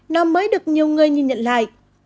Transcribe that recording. nó mới được nhiều người nhìn nhận lại